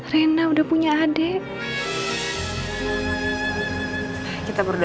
kamu sudah punya keponakan din